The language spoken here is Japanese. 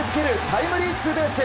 タイムリーツーベース。